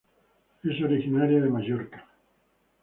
Es originaria de Mallorca.